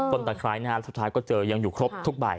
ต้นตะคร้ายนี้สุดท้ายก็เจอยังอยู่ครบทุกใบ